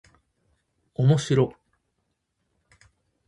おもしろっ